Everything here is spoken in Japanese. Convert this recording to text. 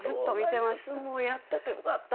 やっててよかった。